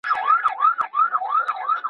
ګټه مې په خیر او برکت کې ده.